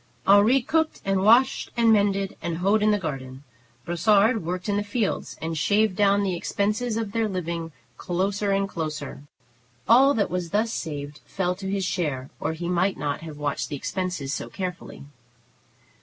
Henri cooked and washed and mended, and hoed in the garden. Brossard worked in the fields and shaved down the expenses of their living closer and closer. All that was thus saved fell to his share, or he might not have watched the expenses so carefully.